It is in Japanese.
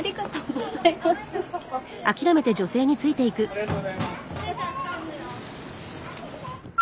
ありがとうございます。